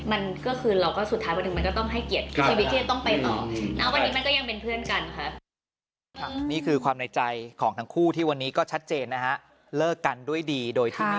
มันก็คือเราก็สุดท้ายวันหนึ่งมันก็ต้องให้เกียรติชีวิตที่จะต้องไปต่อ